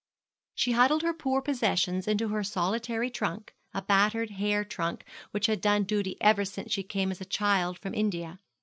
She huddled her poor possessions into her solitary trunk a battered hair trunk which had done duty ever since she came as a child from India.